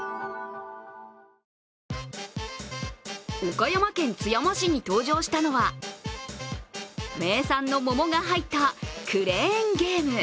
岡山県津山市に登場したのは名産の桃が入ったクレーンゲーム。